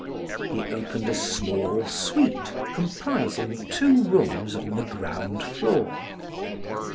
He opened a small suite, comprising two rooms on the ground floor.